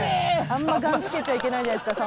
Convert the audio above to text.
あんまりガンつけちゃいけないじゃないですか